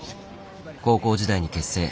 高校時代に結成。